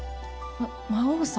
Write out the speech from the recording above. ま魔王様？